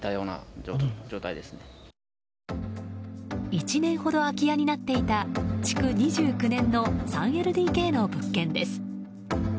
１年ほど空き家になっていた築２９年の３ＬＤＫの物件です。